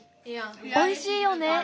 おいしいよね。